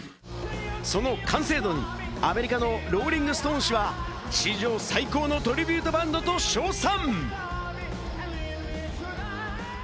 その完成度にアメリカのローリングストーン誌は、史上最高のトリビュートバンドと称賛！